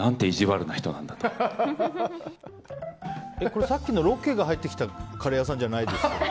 これさっきのロケが入ってきたカレー屋さんじゃないですよね？